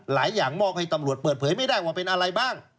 อย่างมอบให้ตำรวจเปิดเผยไม่ได้ว่าเป็นอะไรบ้าง